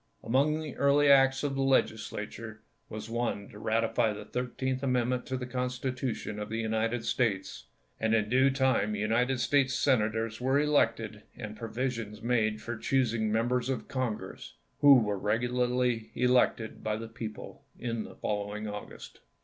Among the early acts of the Legislature was one to ratify the Thir teenth Amendment to the Constitution of the United States; and in due time United States Senators were elected, and provisions made for choosing Members of Congress, who were regularly elected by the people in the following August.